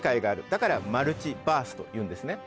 だからマルチバースというんですね。